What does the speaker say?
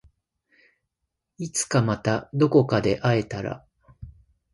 いつかまたどこかで会えたら